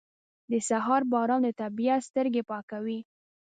• د سهار باران د طبیعت سترګې پاکوي.